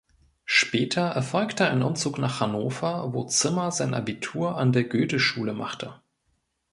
Später erfolgte ein Umzug nach Hannover, wo Zimmer sein Abitur an der Goetheschule machte.